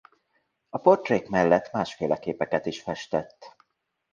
A portrék mellett másféle képeket is festett.